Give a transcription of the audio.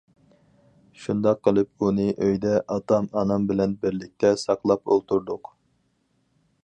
شۇنداق قىلىپ ئۇنى ئۆيدە ئاتا- ئانام بىلەن بىرلىكتە ساقلاپ ئولتۇردۇق.